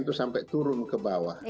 itu sampai turun ke bawah